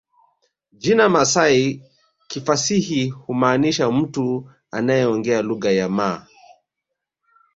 Jina Masai kifasihi humaanisha mtu anayeongea lugha ya Maa